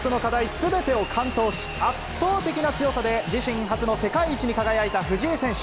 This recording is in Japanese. すべてを完登し、圧倒的な強さで自身初の世界一に輝いた藤井選手。